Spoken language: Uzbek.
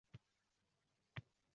Etagimdan quymasding sira